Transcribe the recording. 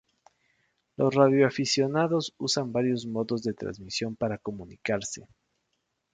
Los radioaficionados usan varios modos de transmisión para comunicarse.